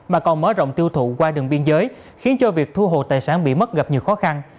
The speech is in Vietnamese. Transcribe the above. mà còn mở rộng tiêu thụ qua đường biên giới khiến cho việc thu hồi tài sản bị mất gặp nhiều khó khăn